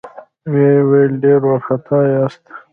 ويې ويل: ډېر وارخطا ياست؟